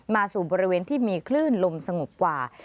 สู่บริเวณที่มีคลื่นลมสงบกว่า